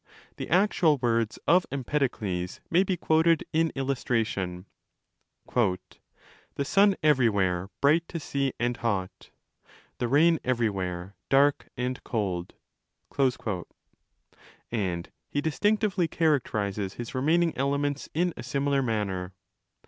The actual words of Empedokles may be quoted in illustration— The sun everywhere bright to see, and hot; The rain everywhere dark and cold;? and he distinctively characterizes his remaining elements in a similar manner.